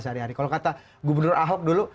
sehari hari kalau kata gubernur ahok dulu